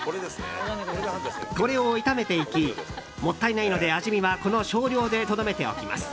これを炒めていきもったいないので味見はこの少量でとどめておきます。